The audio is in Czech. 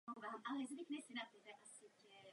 Po několika menších rolích si ho všimla také televize.